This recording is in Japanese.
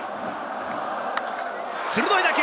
鋭い打球！